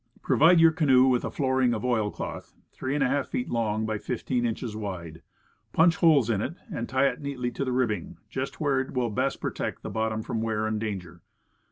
Provide your canoe with a flooring of oilcloth 3^ feet long by 15 inches wide; punch holes in it and tie it neatly to the ribbing, just where it will best protect the bottom from wear and danger.